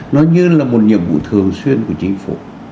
nó như là một nhiệm vụ thường xuyên của chính phủ